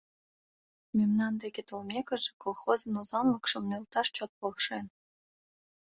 Мемнан деке толмекыже, колхозын озанлыкшым нӧлташ чот полшен.